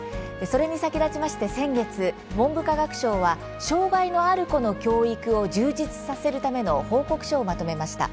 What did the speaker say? それに先立ちまして先月、文部科学省は障害のある子の教育を充実させるための報告書をまとめました。